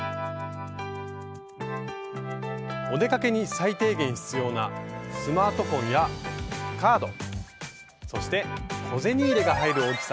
お出かけに最低限必要なスマートフォンやカードそして小銭入れが入る大きさ。